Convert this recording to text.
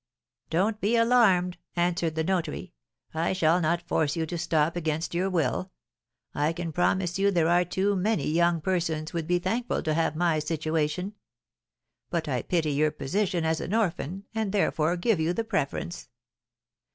'Don't be alarmed,' answered the notary, 'I shall not force you to stop against your will. I can promise you there are too many young persons would be thankful to have my situation; but I pity your position as an orphan, and, therefore, give you the preference.